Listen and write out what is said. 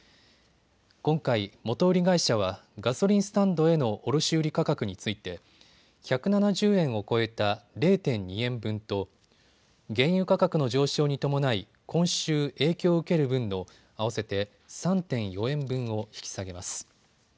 今回、元売り会社はガソリンスタンドへの卸売価格について１７０円を超えた０．２円分と原油価格の上昇に伴い今週、影響を受ける分の合わせて３．４円分を引き下げます。